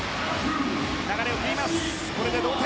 流れを切ります。